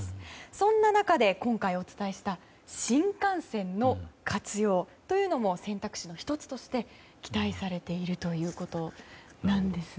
そんな中で今回お伝えした新幹線の活用というのも選択肢の１つとして期待されているということです。